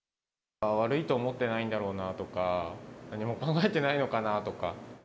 悪いと思ってないんだろうなとか、何も考えてないのかなとか。